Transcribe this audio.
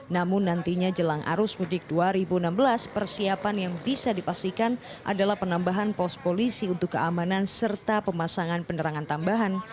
namun nantinya jelang arus mudik dua ribu enam belas persiapan yang bisa dipastikan adalah penambahan pos polisi untuk keamanan serta pemasangan penerangan tambahan